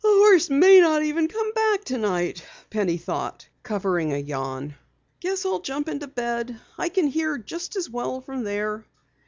"The horse may not come back tonight," Penny thought, covering a yawn. "Guess I'll jump into bed. I can hear just as well from there."